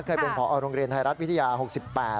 เคยเป็นพอโรงเรียนไทยรัฐวิทยา๖๘